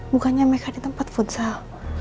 bukannya mereka di tempat futsal